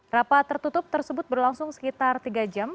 rapat tertutup tersebut berlangsung sekitar tiga jam